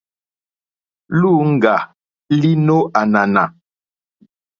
Luùŋga li nò ànànà.